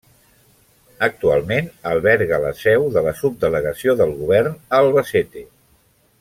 Actualment alberga la seu de la Subdelegació del Govern a Albacete.